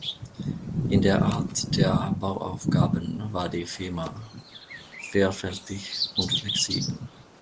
In der Art der Bauaufgaben war die Firma vielfältig und flexibel.